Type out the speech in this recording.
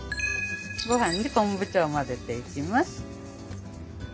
ごはんに昆布茶を混ぜていきます。